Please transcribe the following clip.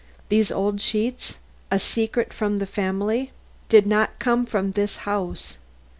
These old sheets a secret from the family did not come from this house.